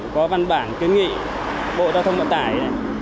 có văn bản kiến nghị bộ giao thông vận tải